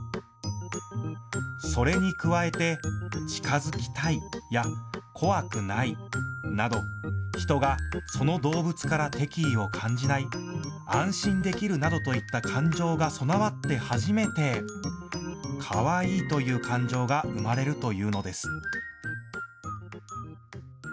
それに加えて、近づきたいや怖くないなど人がその動物から敵意を感じない、安心できるなどといった感情が備わって初めてかわいいという感情が生まれるというのです。